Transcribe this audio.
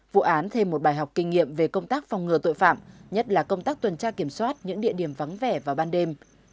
vụ án thêm một bài học kinh nghiệm về công tác phòng ngừa tội phạm nhất là công tác tuần tra kiểm soát những địa điểm vắng vẻ vào ban đêm